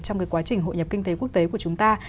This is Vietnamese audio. trong quá trình hội nhập kinh tế quốc tế của chúng ta